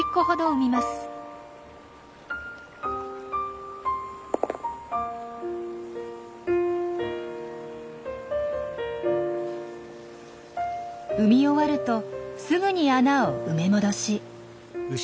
産み終わるとすぐに穴を埋め戻し。